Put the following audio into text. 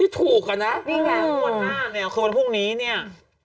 ถูกอะนะนี่ไงงวดหน้าเนี่ยคือวันพรุ่งนี้เนี่ย